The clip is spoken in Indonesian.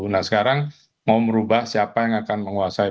nah sekarang mau merubah siapa yang akan menguasai